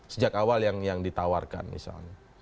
sejak awal yang ditawarkan misalnya